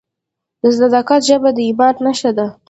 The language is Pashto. د صداقت ژبه د ایمان نښه ده.